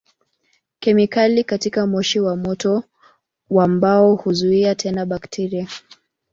Kemikali katika moshi wa moto wa mbao huzuia tena bakteria.